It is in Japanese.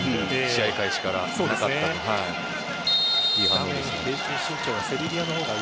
試合開始からなかったので。